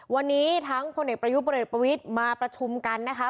วันนี้ทั้งพ่อเนกประยุทธ์พ่อเนกประวิทมาประชุมกันนะคะ